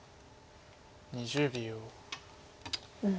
２０秒。